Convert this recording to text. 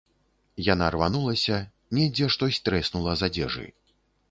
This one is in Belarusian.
Яна рванулася, недзе штось трэснула з адзежы.